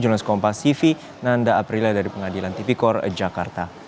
jurnalist kompas tv nanda aprilia dari pengadilan tv kor jakarta